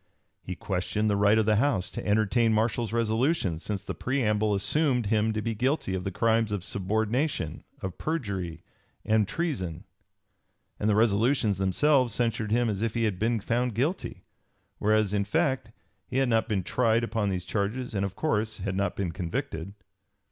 He questioned the right of the House to entertain Marshall's resolutions since the preamble assumed him to be guilty of the crimes of subornation of perjury and (p. 284) treason, and the resolutions themselves censured him as if he had been found guilty; whereas in fact he had not been tried upon these charges and of course had not been convicted.